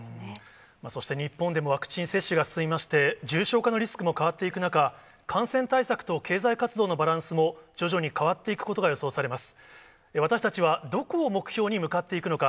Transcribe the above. そして、日本でもワクチン接種が進みまして、重症化のリスクも変わっていく中、感染対策と経済活動のバランスも徐々に変わっていくことが予想されます。